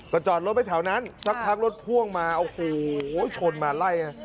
ก็จอดรถไปแถวนั้นสักพักรถพ่วงมาโอ้โหชนมาไล่